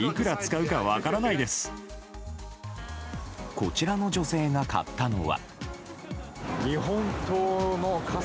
こちらの女性が買ったのは？